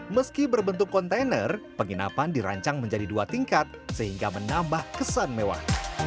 meski berbentuk kontainer penginapan dirancang menjadi dua tingkat sehingga menambah kesan mewah